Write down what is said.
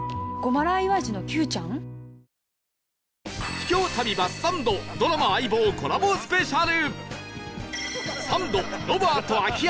秘境旅バスサンドドラマ『相棒』コラボスペシャル